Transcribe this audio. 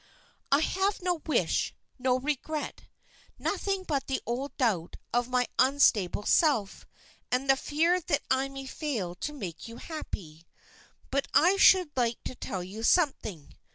"I have no wish, no regret, nothing but the old doubt of my unstable self, and the fear that I may fail to make you happy. But I should like to tell you something.